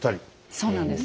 そうなんです。